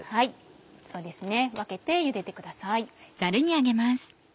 そうですね分けてゆでてください。